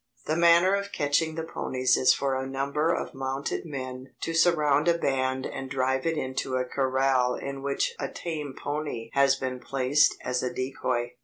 The manner of catching the ponies is for a number of mounted men to surround a band and drive it into a corral in which a tame pony has been placed as a decoy.